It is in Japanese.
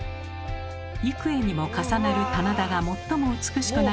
幾重にも重なる棚田が最も美しくなるのは夕暮れ時。